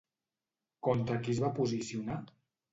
Contra qui es va posicionar?